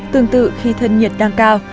tương tự khi thân nhiệt tăng cao